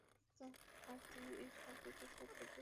আর তুমি এই শব্দ কোথায় থেকে শিখেছ?